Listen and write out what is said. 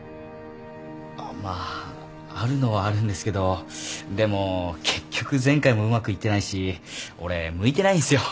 まああるのはあるんですけどでも結局前回もうまくいってないし俺向いてないんすよ。